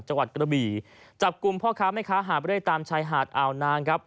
จักรกรบีช่ีมพ่อค้าไม่คะหาไปด้วยตามชายหาดอาวนาง